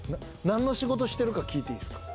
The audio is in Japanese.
なんの仕事してるか聞いていいですか？